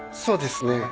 そうですね。